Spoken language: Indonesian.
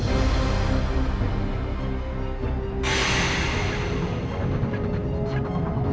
sampaikan dua hipnya